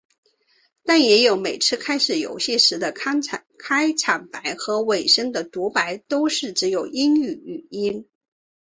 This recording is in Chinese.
但也有每次开始游戏时的开场白和尾声的读白都是只有英语语音。